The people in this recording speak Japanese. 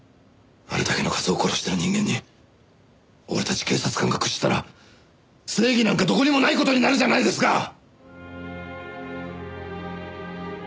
あれだけの数を殺してる人間に俺たち警察官が屈したら正義なんかどこにもない事になるじゃないですか！